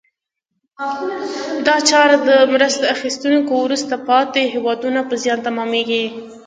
دا چاره د مرسته اخیستونکو وروسته پاتې هېوادونو په زیان تمامیږي.